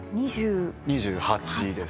２８です。